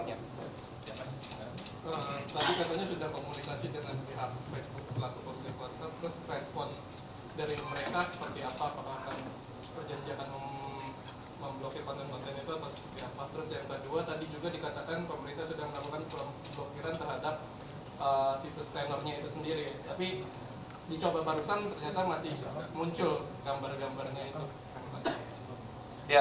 ternyata masih muncul gambar gambarnya